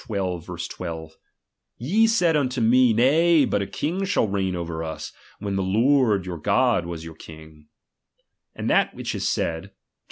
12) : Ye said unto me, ■nay, hut a king shall reign over us, when the Lord 2fOur God was your king ; and that which is said, Jer.